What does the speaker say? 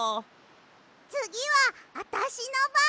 つぎはあたしのばん！